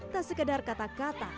tak sekedar kata kata